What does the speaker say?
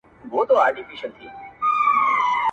د بل په غاړه چاړه تېره کوي.